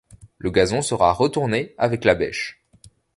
le gazon sera retourné avec la bêche